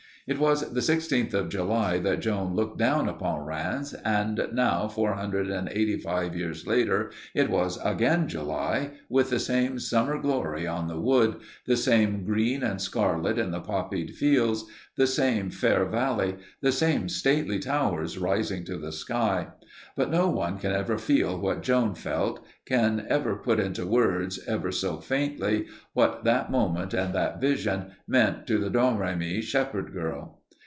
It was the sixteenth of July that Joan looked down upon Rheims, and now four hundred and eighty five years later it was again July, with the same summer glory on the wood, the same green and scarlet in the poppied fields, the same fair valley, the same stately towers rising to the sky. But no one can ever feel what Joan felt, can ever put into words, ever so faintly, what that moment and that vision meant to the Domremy shepherd girl.